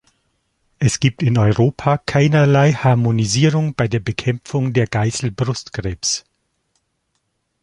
Es gibt in Europa keinerlei Harmonisierung bei der Bekämpfung der Geißel Brustkrebs.